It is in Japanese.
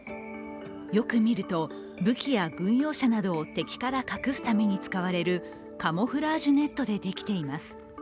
よく見ると、武器や軍用車などを敵から隠すために使われるカモフラージュネットでできています。